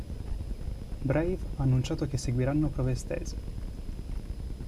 Brave ha annunciato che seguiranno prove estese.